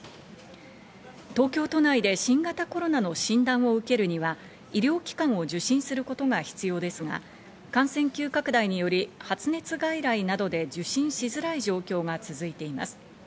東京都内で新型コロナの診断を受けるには、医療機関を受診することが必要ですが、感染急拡大により発熱外来などで受診しづらい状況が続いています。